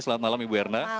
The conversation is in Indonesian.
selamat malam ibu erna